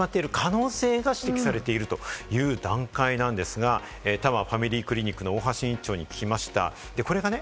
今、第９波が始まっている可能性が指摘されているという段階ですが、多摩ファミリークリニックの大橋院長に聞きました。